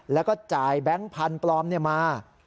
แล้วก็จ่ายแบงค์พันธุ์ปลอมมา